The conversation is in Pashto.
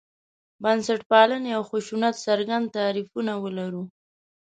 بنسټپالنې او خشونت څرګند تعریفونه ولرو.